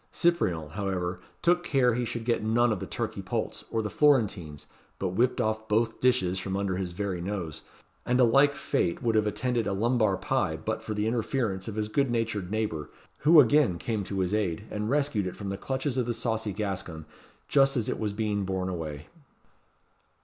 Cyprien, however, took care he should get none of the turkey poults, or the florentines, but whipped off both dishes from under his very nose; and a like fate would have attended a lumbar pie but for the interference of his good natured neighbour, who again came to his aid, and rescued it from the clutches of the saucy Gascon, just as it was being borne away.